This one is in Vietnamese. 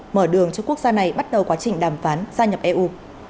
mở đường cho quốc gia này bắt đầu quá trình đàm phán gia nhập eu